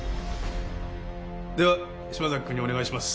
では島崎くんにお願いします。